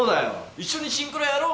一緒にシンクロやろうよ。